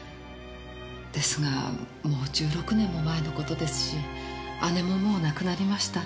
ですがもう１６年も前の事ですし姉ももう亡くなりました。